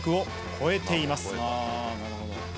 なるほど。